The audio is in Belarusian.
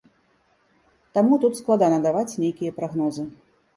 Таму тут складана даваць нейкія прагнозы.